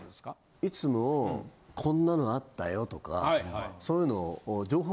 いつもこんなのあったよとかそういうのを。